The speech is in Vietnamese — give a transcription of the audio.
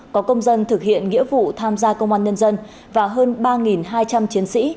có công dân thực hiện nghĩa vụ tham gia công an nhân dân và hơn ba hai trăm linh chiến sĩ